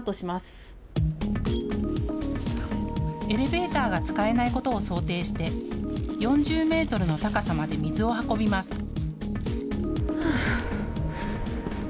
エレベーターが使えないことを想定して４０メートルの高さまで水を運びます。